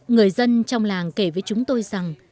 người dân trong làng kể với chúng tôi rằng